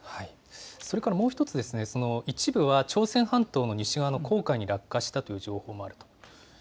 それからもう一つ、一部は朝鮮半島の西側の黄海に落下したという情報もあると。